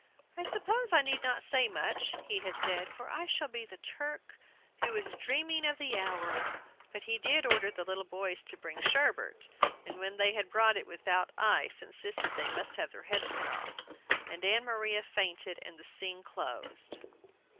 "I suppose I need not say much," he had said, "for I shall be the 'Turk who was dreaming of the hour.'" But he did order the little boys to bring sherbet, and when they brought it without ice insisted they must have their heads cut off, and Ann Maria fainted, and the scene closed.